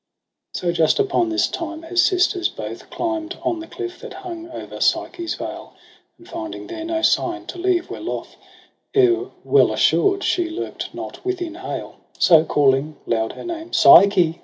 4 So just upon this time her sisters both Climb'd on the cliff that hung o'er Psyche's vale ^ And finding there no sign, to leave were loth Ere well assured she lurk'd not within haU. So calling loud her name, ' Psyche